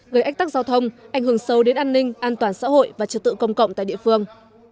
gây ách tắc giao thông ảnh hưởng sâu đến an ninh an toàn xã hội và trật tự công cộng tại địa phương